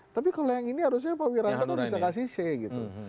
tapi kalau yang ini harusnya pak wiranto bisa kasih c gitu